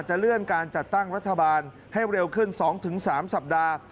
เลื่อนการจัดตั้งรัฐบาลให้เร็วขึ้น๒๓สัปดาห์